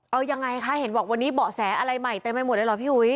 เอายังไงคะเห็นบอกวันนี้เบาะแสอะไรใหม่เต็มไปหมดเลยเหรอพี่อุ๋ย